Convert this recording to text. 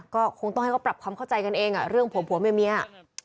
ก็คงต้องให้เขาปรับความเข้าใจกันเองเรื่องผัวเมีย